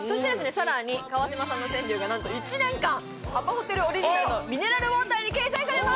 更に川島さんの川柳がなんと１年間アパホテルオリジナルのミネラルウォーターに掲載されます！